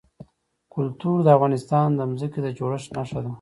کلتور د افغانستان د ځمکې د جوړښت نښه ده.